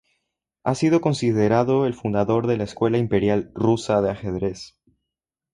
Ha sido considerado el fundador de la escuela imperial rusa de ajedrez.